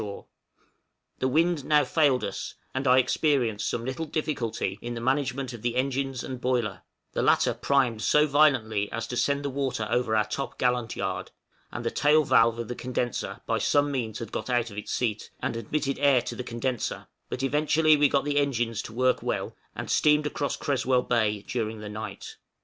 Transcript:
{CRESWELL BAY.} The wind now failed us, and I experienced some little difficulty in the management of the engines and boiler; the latter primed so violently as to send the water over our top gallant yard, and the tail valve of the condenser by some means had got out of its seat, and admitted air to the condenser; but eventually we got the engines to work well, and steamed across Creswell Bay during the night.